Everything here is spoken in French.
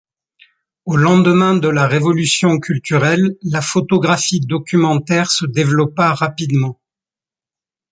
Au lendemain de la révolution culturelle, la photographie documentaire se développa rapidement.